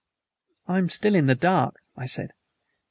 "I am still in the dark," I said.